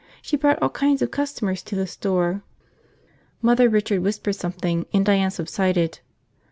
She brought all kinds of customers to the store!" Mother Richard whispered something, and Diane subsided.